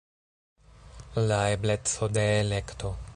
La ebleco de elekto.